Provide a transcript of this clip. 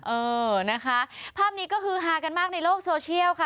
เออนะคะภาพนี้ก็คือฮากันมากในโลกโซเชียลค่ะ